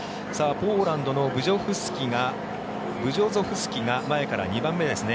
ポーランドのブジョゾフスキが前から２番目ですね。